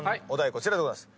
こちらでございます。